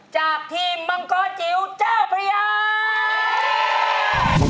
จากทีมมังกรจิ๋วเจ้าพระยา